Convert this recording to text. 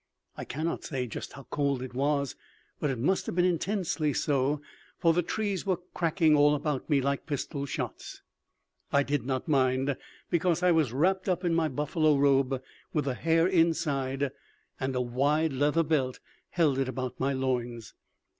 I cannot say just how cold it was, but it must have been intensely so, for the trees were cracking all about me like pistol shots. I did not mind, because I was wrapped up in my buffalo robe with the hair inside, and a wide leather belt held it about my loins.